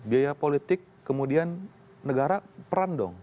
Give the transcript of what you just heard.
biaya politik kemudian negara peran dong